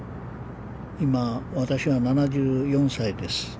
今私は７４歳です。